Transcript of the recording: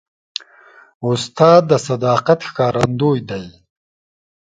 استاد د صداقت ښکارندوی دی.